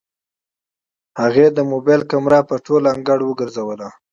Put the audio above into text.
هغې د موبايل کمره په ټول انګړ وګرځوله.